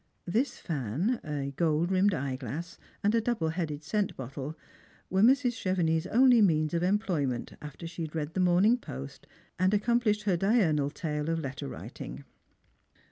This fan, a gold rimmed eye glass, and a double headed scent bottle, were Mrs. Chevenix's only means of employment, after she had read the Morning Post and accomplished her diurnal tale of letter writing.